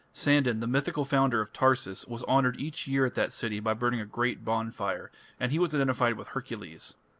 Sandan, the mythical founder of Tarsus, was honoured each year at that city by burning a great bonfire, and he was identified with Hercules.